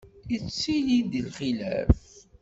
Yettili-d lxilaf.